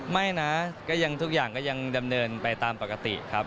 ไม่นะก็ยังทุกอย่างก็ยังดำเนินไปตามปกติครับ